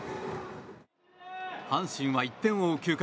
阪神は１点を追う９回。